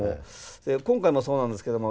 今回もそうなんですけども。